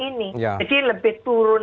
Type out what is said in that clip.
ini jadi lebih turun